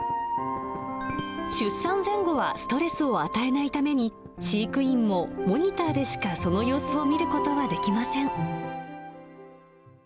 出産前後はストレスを与えないために、飼育員もモニターでしかその様子を見ることはできません。